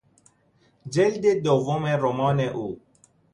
جلد دوم رمان او